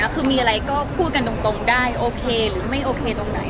คือมีอะไรก็พูดกันตรงได้โอเคหรือไม่โอเคตรงไหน